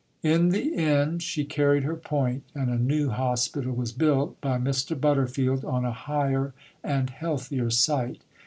In the end she carried her point, and a new hospital was built by Mr. Butterfield on a higher and healthier site.